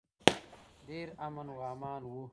ډیر امن و امان و.